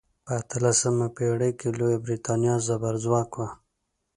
په اتلسمه پیړۍ کې لویه بریتانیا زبرځواک وه.